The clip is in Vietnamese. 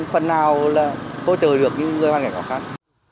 phần nào là hỗ trợ được những người bạn gái khó khăn